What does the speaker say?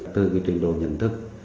từ cái trình độ nhận thức